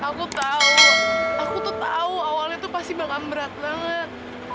aku tahu aku tuh tahu awalnya tuh pasti bakal berat banget